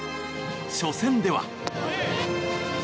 初戦では。